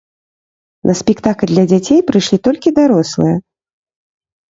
На спектакль для дзяцей прыйшлі толькі дарослыя!